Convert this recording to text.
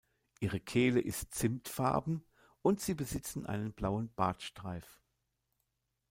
Ihre Kehle ist zimtfarben, und sie besitzen einen blauen Bartstreif.